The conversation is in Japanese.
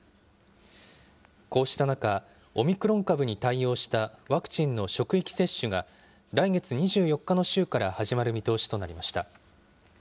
こうした中、オミクロン株に対応したワクチンの職域接種が、来月２４日の週から始まる見通しとなりました。